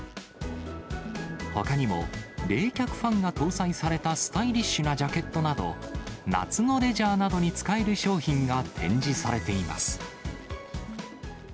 ほかにも冷却ファンが搭載されたスタイリッシュなジャケットなど、夏のレジャーなどに使える商品が展示されています。